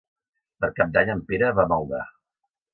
Per Cap d'Any en Pere va a Maldà.